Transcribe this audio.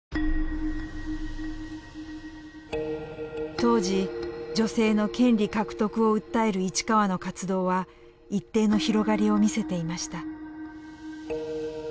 当時女性の権利獲得を訴える市川の活動は一定の広がりを見せていました。